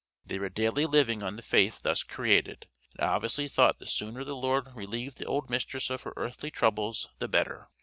They were daily living on the faith thus created, and obviously thought the sooner the Lord relieved the old mistress of her earthly troubles the better.